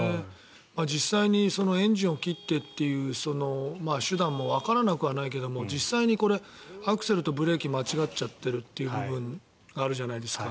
実際にエンジンを切ってという手段もわからなくはないけど実際にこれアクセルとブレーキを間違っちゃってるという部分があるじゃないですか。